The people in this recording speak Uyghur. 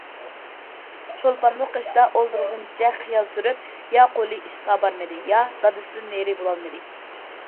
چولپانمۇ قېشىدا ئولتۇرغىنىچە خىيال سۈرۈپ، يا قولى ئىشقا بارمىدى، ياكى دادىسىدىن نېرى بولالمىدى.